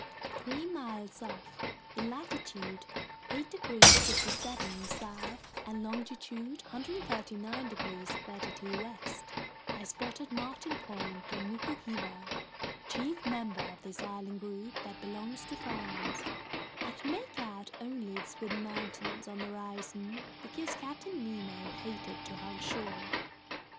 Three miles off, in latitude 8 degrees 57' south and longitude 139 degrees 32' west, I spotted Martin Point on Nuku Hiva, chief member of this island group that belongs to France. I could make out only its wooded mountains on the horizon, because Captain Nemo hated to hug shore.